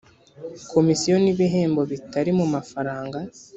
komisiyo n ibihembo bitari mu mafaranga